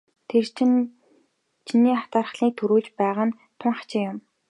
Тэр чиний атаархлыг төрүүлж байгаа нь тун хачин юм.